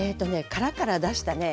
殻から出したね